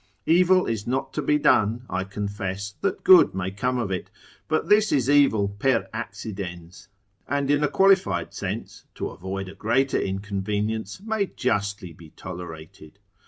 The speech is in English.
Evil is not to be done (I confess) that good may come of it: but this is evil per accidens, and in a qualified sense, to avoid a greater inconvenience, may justly be tolerated.